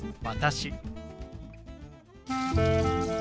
「私」。